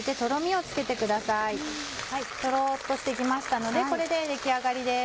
とろっとして来ましたのでこれで出来上がりです。